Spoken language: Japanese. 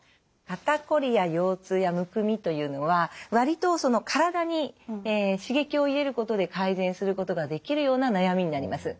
肩こりや腰痛やむくみというのは割と体に刺激を入れることで改善することができるような悩みになります。